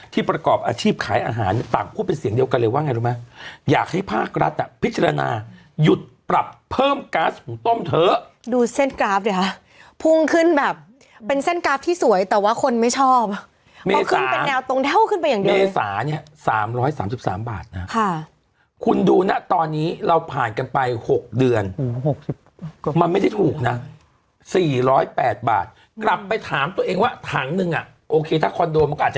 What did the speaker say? พิจารณาหยุดปรับเพิ่มก๊าซหุงต้มเถอะดูเส้นกราฟเลยฮะพุ่งขึ้นแบบเป็นเส้นกราฟที่สวยแต่ว่าคนไม่ชอบขึ้นเป็นแนวตรงเท่าขึ้นไปอย่างเดียวเมษาเนี่ย๓๓๓บาทค่ะคุณดูนะตอนนี้เราผ่านกันไปหกเดือนหกสิบมันไม่ได้ถูกนะสี่ร้อยแปดบาทกลับไปถามตัวเองว่าถังนึงอ่ะโอเคถ้าคอนโดมันก็อาจ